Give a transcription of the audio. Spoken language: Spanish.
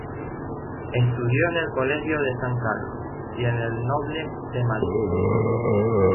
Estudió en el Colegio de San Carlos y en el de Nobles, de Madrid.